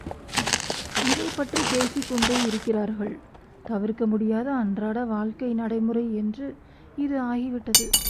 இதைப் பற்றிப் பேசிக்கொண்டே இருக்கிறார்கள் தவிர்க்க முடியாத அன்றாட வாழ்க்கை நடைமுறை என்று இது ஆகிவிட்டது.